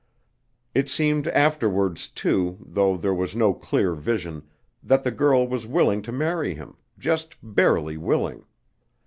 It seemed afterwards too, though there was no clear vision, that the girl was willing to marry him, just barely willing.